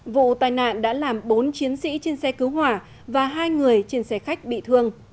vụ tai nạn đã làm bốn chiến sĩ trên xe cứu hỏa và hai người trên xe khách bị thương